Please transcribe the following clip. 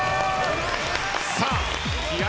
さあ気合